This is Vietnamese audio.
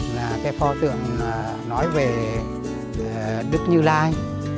là cái pho tượng nói về đức như lai